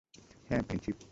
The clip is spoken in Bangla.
হ্যাঁ, প্রিন্সিপ!